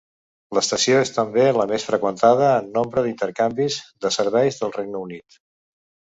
L'estació és també la més freqüentada en nombre d'intercanvis de serveis del Regne Unit.